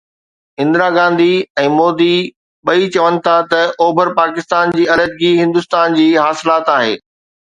اندرا گانڌي ۽ مودي ٻئي چون ٿا ته اوڀر پاڪستان جي علحدگي هندستان جي حاصلات آهي.